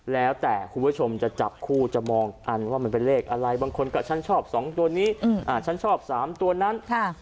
แล้วแต่คุณผู้ชมจะจับคู่จะมองอันว่ามันเป็นเลขอะไรบางคนก็ฉันชอบ๒ตัวนี้ฉันชอบ๓ตัวนั้น